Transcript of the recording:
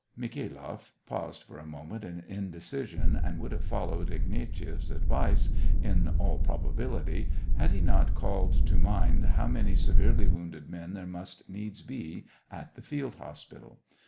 Mikhailoff paused for a moment in indecision, and would have followed Ignatieff's advice, in all probability, had he not called to mind how many severely wounded men there must needs be at the field hospital.